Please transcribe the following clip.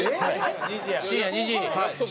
深夜２時。